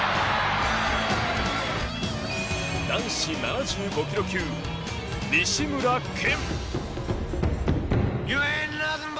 男子７５ｋｇ級西村拳。